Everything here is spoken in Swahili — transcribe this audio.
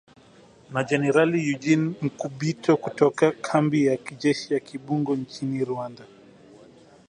Na Generali Eugene Nkubito kutoka kambi ya kijeshi ya Kibungo nchini Rwanda